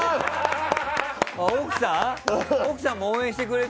奥さん。